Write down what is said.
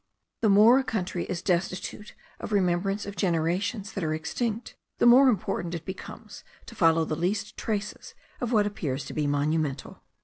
The more a country is destitute of remembrances of generations that are extinct, the more important it becomes to follow the least traces of what appears to be monumental.